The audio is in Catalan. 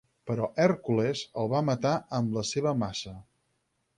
Però Hèrcules el va matar amb la seva maça.